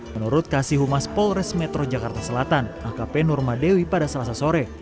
menurut kasihumas polres metro jakarta selatan akp nurmadewi pada selasa sore